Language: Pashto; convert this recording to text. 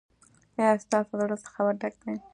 ایا ستاسو زړه له سخاوت ډک دی؟